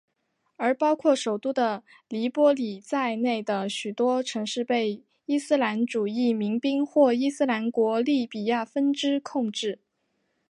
而包括首都的黎波里在内的许多城市被伊斯兰主义民兵或伊斯兰国利比亚分支控制。